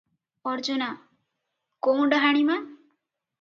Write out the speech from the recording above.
ଅର୍ଜୁନା - କୋଉଁ ଡାହାଣୀ ମା?